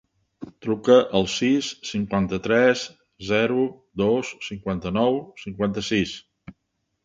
Truca al sis, cinquanta-tres, zero, dos, cinquanta-nou, cinquanta-sis.